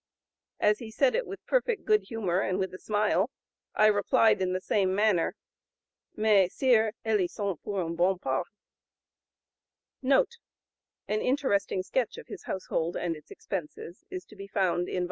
As he said it with perfect good humor and with a smile, I replied in the same manner: 'Mais Sire, elles y sont pour une bonne part.'" [Footnote 2: An interesting sketch of his household and its expenses is to be found in ii.